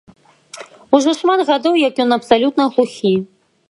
Ужо шмат гадоў, як ён абсалютна глухі.